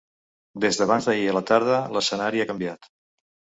Des d’abans-d’ahir a la tarda, l’escenari ha canviat.